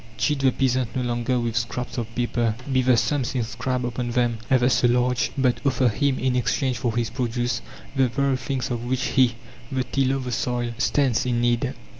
Cheat the peasant no longer with scraps of paper be the sums inscribed upon them ever so large; but offer him in exchange for his produce the very things of which he, the tiller of the soil, stands in need.